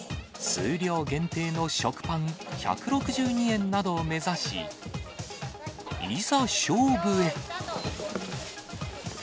数量限定の食パン１６２円などを目指し、いざ勝負へ。